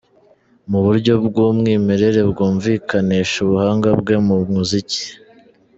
mu buryo bwumwimerere bwumvikanisha ubuhanga bwe mu muziki.